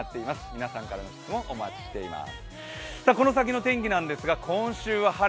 皆さんからの質問、お待ちしています。